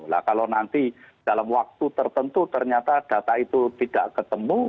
nah kalau nanti dalam waktu tertentu ternyata data itu tidak ketemu